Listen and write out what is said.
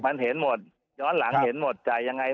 มันเห็นหมดย้อนหลังเห็นหมดจะยังไง